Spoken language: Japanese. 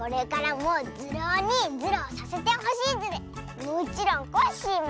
もちろんコッシーも！